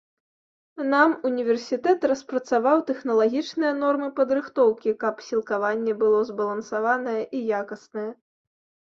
Нам універсітэт распрацаваў тэхналагічныя нормы падрыхтоўкі, каб сілкаванне было збалансаванае і якаснае.